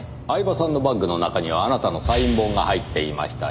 饗庭さんのバッグの中にはあなたのサイン本が入っていました。